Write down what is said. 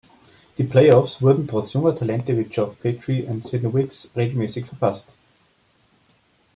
Die Playoffs wurden, trotz junger Talente wie Geoff Petrie und Sidney Wicks regelmäßig verpasst.